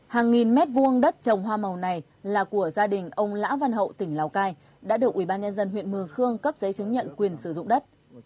hàng nghìn mét vuông đất trồng hoa màu này là của gia đình ông lã văn hậu tỉnh lào cai đã được ubnd huyện mường khương cấp giấy chứng nhận quyền sử dụng đất